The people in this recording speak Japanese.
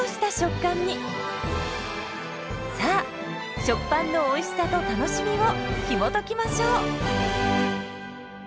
さあ「食パン」のおいしさと楽しみをひもときましょう！